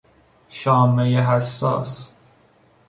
شامهی حساس